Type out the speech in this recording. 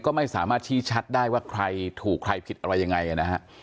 ก็ไม่สามารถชี้ชัดได้ว่าใครถูกใครผิดอะไรยังไงนะฮะ